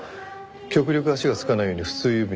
極力足がつかないように普通郵便で。